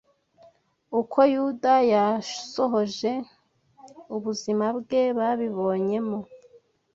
Uko Yuda yasoje ubuzima bwe babibonyemo